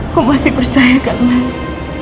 kau masih percayakan mas